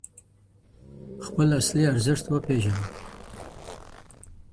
خپل اصلي ارزښت وپېژنه.